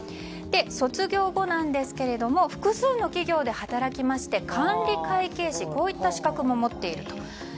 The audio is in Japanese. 卒業後なんですが複数の企業で働きまして管理会計士の資格も持っていると。